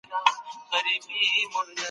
تاسي باید پښتو ژبه د نورو ژبو سره مقایسه کړئ